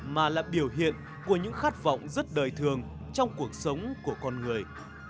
mà là biểu hiện của những khát vọng rất đời thường trong cuộc sống của con người